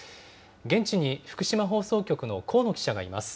現地に福島放送局の高野記者がいます。